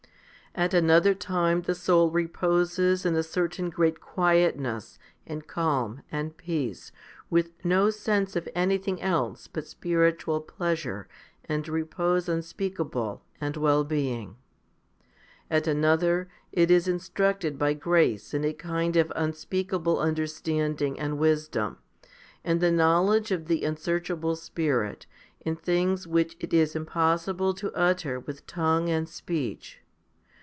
9. At another time the soul reposes in a certain great quietness and calm and peace, with no sense of anything else but spiritual pleasure, and repose unspeak able, and well being. At another, it is instructed by grace in a kind of unspeakable understanding and wisdom, and the knowledge of the unsearchable Spirit, in things which it is impossible to utter with tongue and speech.